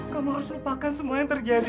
kamu harus lupakan semua yang terjadi